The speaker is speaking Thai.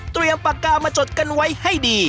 ปากกามาจดกันไว้ให้ดี